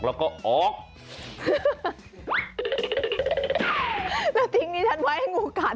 แล้วจริงนี่ฉันบอกให้งูกัด